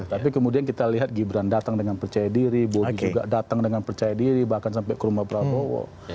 tapi kemudian kita lihat gibran datang dengan percaya diri bobi juga datang dengan percaya diri bahkan sampai ke rumah prabowo